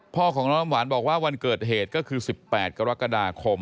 พ่อของน้องน้ำหวานบอกว่าวันเกิดเหตุก็คือ๑๘กรกฎาคม